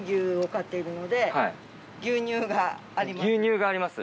牛乳があります。